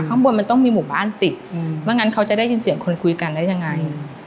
ข้างบนมันต้องมีหมู่บ้านติดว่างั้นเขาจะได้ยินเสียงคนคุยกันได้ยังไง